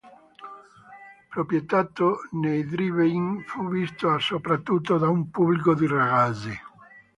Proiettato nei drive-in, fu visto soprattutto da un pubblico di ragazzi.